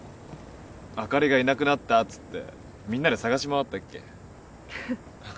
あかりがいなくなったっつってみんなで捜し回ったっけ。